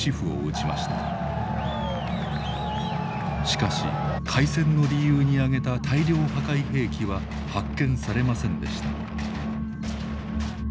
しかし開戦の理由に挙げた大量破壊兵器は発見されませんでした。